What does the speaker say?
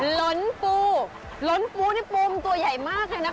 หลนปูหลนปูนี่ปูมันตัวใหญ่มากเลยนะคะ